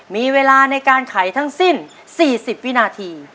มีเวลาในการไขทั้งสิ้น๔๐วินาที